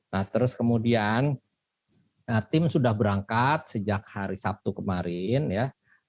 nah terus kemudian tim sudah berangkat sejak hari sabtu kemarin ya